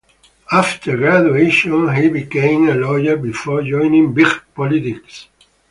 After graduation, he became a lawyer before joining big politics.